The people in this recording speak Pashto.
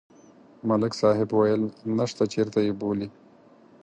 ملک صاحب ویل: نشته، چېرته یې بولي؟